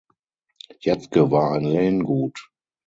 Jatztke war ein Lehngut.